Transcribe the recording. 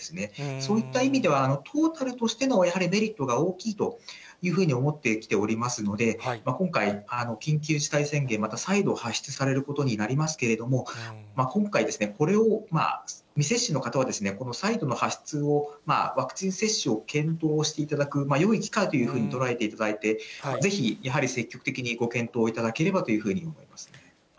そういった意味では、トータルとしての、やはりメリットが大きいというふうに思ってきておりますので、今回、緊急事態宣言、また再度、発出されることになりますけれども、今回、これを未接種の方はこの再度の発出を、ワクチン接種を検討していただくよい機会というふうに捉えていただいて、ぜひやはり積極的にご検討いただければというふうに思います。